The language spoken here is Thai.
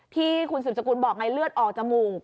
ที่คุณสืบสกุลบอกไงเลือดออกจมูก